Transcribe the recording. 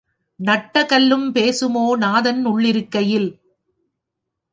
நட்ட கல்லும் பேசுமோ நாதன் உள்ளிருக்கையில்?